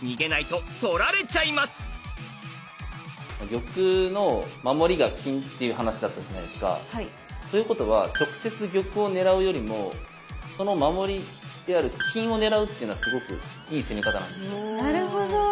玉の守りが金っていう話だったじゃないですか。ということは直接玉を狙うよりもその守りである金を狙うっていうのはすごくいい攻め方なんですよ。